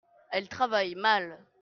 elle travaille mal.